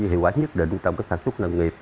hiệu quả nhất định trong sản xuất nông nghiệp